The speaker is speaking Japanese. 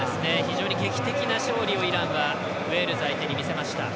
劇的な勝利をイランはウェールズ相手に見せました。